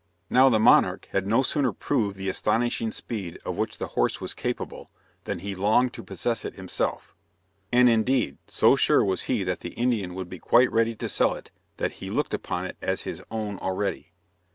Now the monarch had no sooner proved the astonishing speed of which the horse was capable than he longed to possess it himself, and indeed, so sure was he that the Indian would be quite ready to sell it, that he looked upon it as his own already.